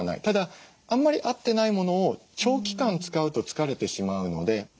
ただあんまり合ってないものを長期間使うと疲れてしまうので。